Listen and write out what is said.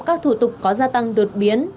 các thủ tục có gia tăng đột biến